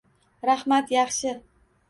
Rahmat, yaxshi.